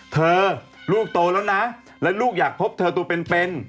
ลูกโตแล้วนะและลูกอยากพบเธอตัวเป็น